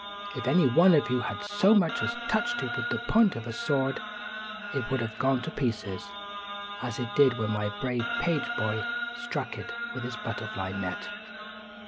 If any one of you had so much as touched it with the point of a sword, it would have gone to pieces, as it did when my brave page boy struck it with his butterfly net."